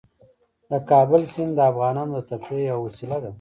د کابل سیند د افغانانو د تفریح یوه وسیله ده.